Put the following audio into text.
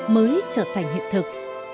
mới trở thành hiện thực